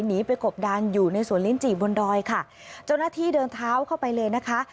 หนีไปกบดานอยู่ในสวนลิ้นจี่บนดอยค่ะเจ้าหน้าที่เดินเท้าเข้าไปเลยนะคะ